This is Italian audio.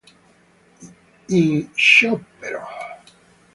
In" Sciopero!